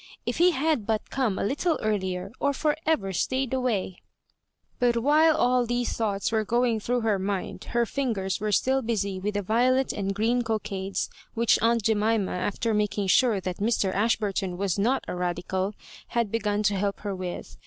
If he had but come a little earlier, or for ever stayed away I But while all these thoughts were going through her mind her fin gers were still busy with the violet and green oockadea which aunt Jemima, after making sure that Mr. Ashburton was not a Badical, had be gun to help her with.